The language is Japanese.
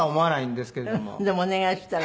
でもお願いしたら？